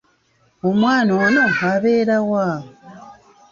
Omwana ono abeera wa?